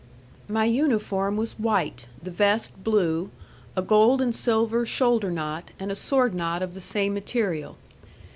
My uniform was white, the vest blue, a gold and silver shoulder knot, and a sword knot of the same material.